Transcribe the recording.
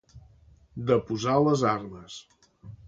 Deposar les armes.